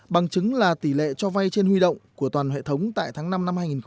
bằng chứng là tỷ lệ cho vay trên huy động của toàn hệ thống tại tháng năm năm hai nghìn hai mươi